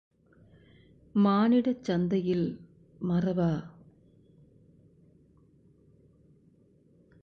மானிடச் சந்தையில் மரபா?